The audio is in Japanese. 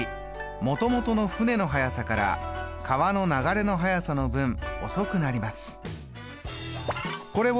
もともとの舟の速さから川の流れの速さの分遅くなります。